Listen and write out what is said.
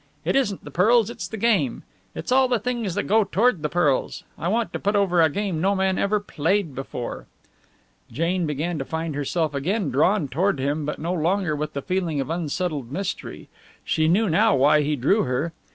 It isn't the pearls, it's the game; it's all the things that go toward the pearls. I want to put over a game no man ever played before." Jane began to find herself again drawn toward him, but no longer with the feeling of unsettled mystery. She knew now why he drew her.